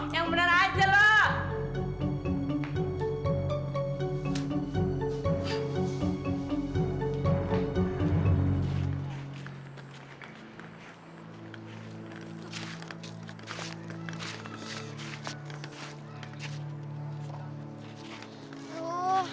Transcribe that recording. yang bener aja lo